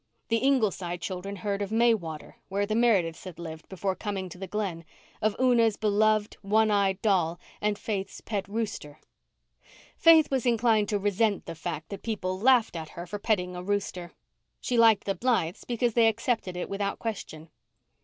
The Ingleside children heard of Maywater, where the Merediths had lived before coming to the Glen, of Una's beloved, one eyed doll and Faith's pet rooster. Faith was inclined to resent the fact that people laughed at her for petting a rooster. She liked the Blythes because they accepted it without question.